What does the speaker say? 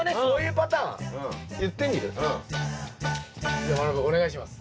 じゃまなぶ君お願いします。